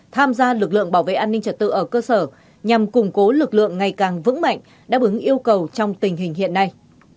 tham gia lực lượng bảo vệ an ninh trật tự ở cơ sở nhằm củng cố lực lượng ngày càng vững mạnh đáp ứng yêu cầu trong tình hình hiện nay